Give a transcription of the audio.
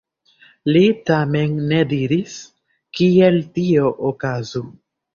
Li tamen ne diris, kiel tio okazu.